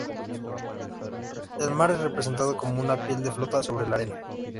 El mar es representado como una piel que flota sobre la arena.